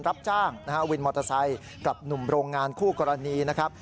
รับจ้างนะฮะวินมอเตอร์ไซค์กับหนุ่มโรงงานคู่กรณีนะครับ